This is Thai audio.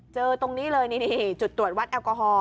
ตรงนี้เลยนี่จุดตรวจวัดแอลกอฮอล